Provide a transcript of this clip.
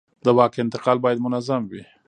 د واک انتقال باید منظم وي